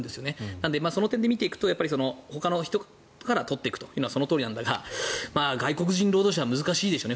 なのでその点で見ていくとほかのところから取っていくというのはそのとおりなんだが外国人労働者は難しいでしょうね